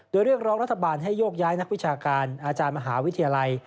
โดยเรียกร้องรัฐบาลให้โยกย้ายนักวิชาการอาจารย์มหาวิทยาลัย